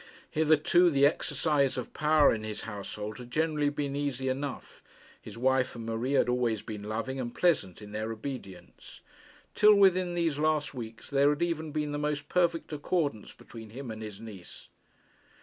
Hitherto the exercise of power in his household had generally been easy enough, his wife and Marie had always been loving and pleasant in their obedience. Till within these last weeks there had even been the most perfect accordance between him and his niece.